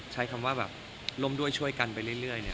ใช้คำว่าล้มด้วยช่วยกันไปเรื่อย